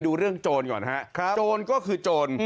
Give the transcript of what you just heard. ดูเรื่องโจรก่อนฮะโจรก็คือโจร